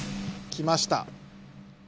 きました。